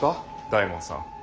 大門さん。